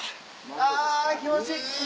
うわ気持ちいい！